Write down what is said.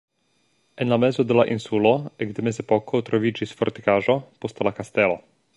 En la mezo de la insulo ekde mezepoko troviĝis fortikaĵo, poste la kastelo.